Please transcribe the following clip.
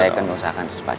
saya akan mengusahakan sesuatu